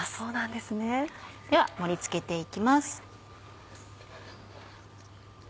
では盛り付けて行きます。